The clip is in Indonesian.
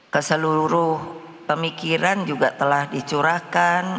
keseluruh pemikiran juga telah dicurahkan